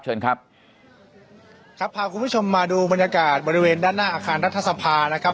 เชิญครับครับพาคุณผู้ชมมาดูบรรยากาศบริเวณด้านหน้าอาคารรัฐสภานะครับ